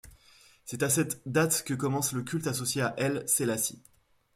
C'est à cette date que commence le culte associé à Haile Selassie.